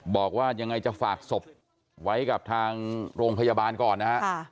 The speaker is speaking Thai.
บอกว่ายังไงจะฝากศพไว้กับทางโรงพยาบาลก่อนนะฮะ